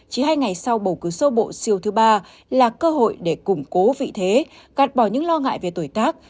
chỉ hai ngày sau bầu cử sơ bộ siêu thứ ba là cơ hội để củng cố vị thế gạt bỏ những lo ngại về tuổi tác